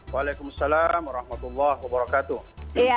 waalaikumsalam warahmatullahi wabarakatuh